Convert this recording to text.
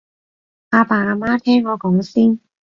阿爸阿媽聽我講先